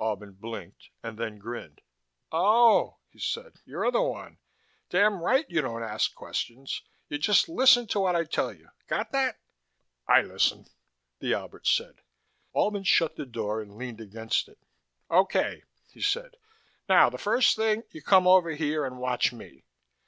Albin blinked, and then grinned. "Oh," he said. "You're the one. Damn right you don't ask questions. You just listen to what I tell you got that?" "I listen," the Albert said. Albin shut the door and leaned against it. "Okay," he said. "Now the first thing, you come over here and watch me."